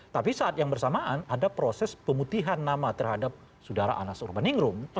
tapi saat yang bersamaan ada proses pemutihan nama terhadap sudara anas urban ingrum